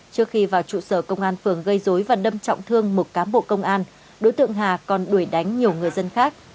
trước khi vào trụ sở công an phường gây dối và đâm trọng thương một cám bộ công an đối tượng hà còn đuổi đánh nhiều người dân khác